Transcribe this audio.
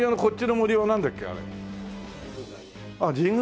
ああ神宮